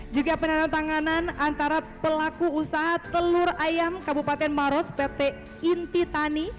juga penandatanganan antara pelaku usaha telur ayam kabupaten maros pt inti tani